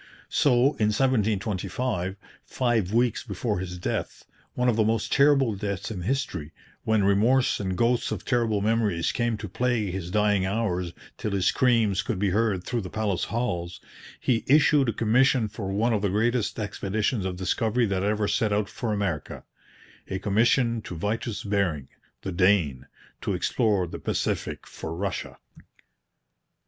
So, in 1725, five weeks before his death one of the most terrible deaths in history, when remorse and ghosts of terrible memories came to plague his dying hours till his screams could be heard through the palace halls he issued a commission for one of the greatest expeditions of discovery that ever set out for America a commission to Vitus Bering, the Dane, to explore the Pacific for Russia.